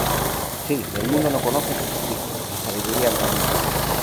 Sí, el mundo no conoce a Jesucristo, la Sabiduría encarnada.